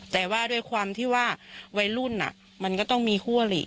แต่ว่าด้วยความที่ว่าวัยรุ่นมันก็ต้องมีคู่อลิ